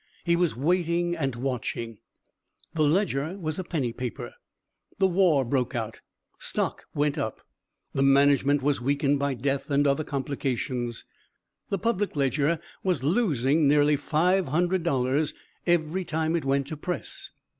He was waiting and watching. The Ledger was a penny paper the war broke out stock went up the management was weakened by death and other complications, the Public Ledger was losing nearly $500 every time it went to press.